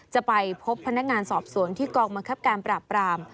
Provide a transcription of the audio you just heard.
จะไปพบพนักงานสอบสวนที่กองบังคับการปราบราม